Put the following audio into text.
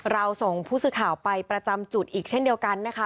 เราส่งผู้สื่อข่าวไปประจำจุดอีกเช่นเดียวกันนะคะ